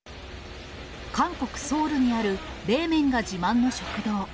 韓国・ソウルにある冷麺が自慢の食堂。